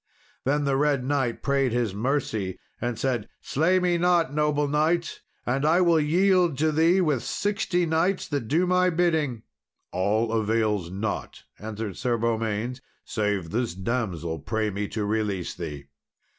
Then the Red Knight prayed his mercy, and said, "Slay me not, noble knight, and I will yield to thee with sixty knights that do my bidding." "All avails not," answered Sir Beaumains, "save this damsel pray me to release thee."